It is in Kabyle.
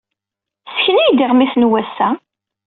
Ssken-iyi-d iɣmisen n wass-a?